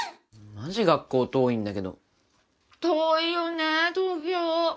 マジ学校遠いんだけど。遠いよね東京。